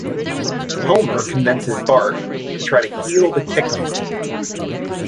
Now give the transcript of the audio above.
Homer convinces Bart to try to heal the kicker.